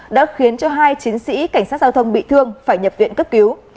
đã khiến hai chiến sĩ cảnh sát giao thông bị thương phải nhập viện cấp cứu